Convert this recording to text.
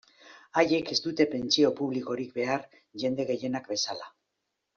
Haiek ez dute pentsio publikorik behar, jende gehienak bezala.